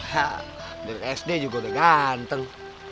ya dari sd juga udah ganteng